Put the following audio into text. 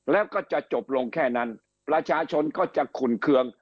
แล้วก็จะจบลงแค่นั้นประชาชนก็จะขุนเคือง